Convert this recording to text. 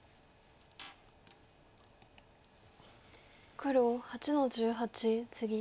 黒８の十八ツギ。